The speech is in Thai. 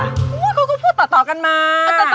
โอ้โฮเขาก็พูดต่อกันมา